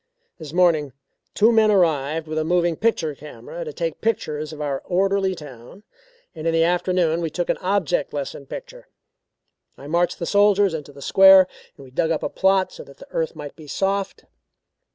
This morning two men arrived with a moving picture camera to take pictures of our orderly town, and in the afternoon we took an object lesson picture. I marched the soldiers into the square and we dug up a plot so that the earth might be soft.